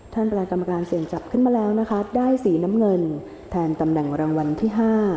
ประธานกรรมการเสี่ยงจับขึ้นมาแล้วนะคะได้สีน้ำเงินแทนตำแหน่งรางวัลที่๕